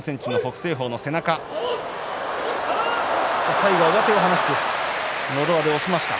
最後は上手を離してのど輪で押しました。